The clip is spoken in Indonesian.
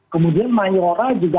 kemudian mayora juga